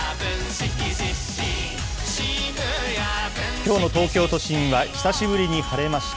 きょうの東京都心は久しぶりに晴れました。